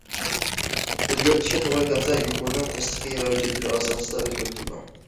ئۆزگەرتىشكە توغرا كەلسە، يۇقىرىنىڭ تەستىقى ۋە ھۆججەتلىرى ئاساسىدا ئۆزگەرتىلىدۇ.